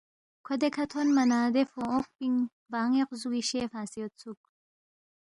کھو دیکھہ تھونما نہ دے فونگ اوق پِنگ بان٘ی غزُوگی شے فنگسے یودسُوک